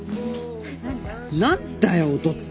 何だよ「音」って！